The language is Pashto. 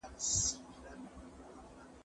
زه اوس د ښوونځي کتابونه مطالعه کوم،